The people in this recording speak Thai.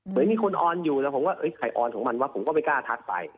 เหมือนมีคนออนอยู่แล้วผมก็ใครออนของมันวะผมก็ไม่กล้าทักไป